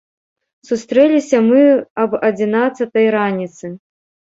Сустрэліся мы аб адзінаццатай раніцы.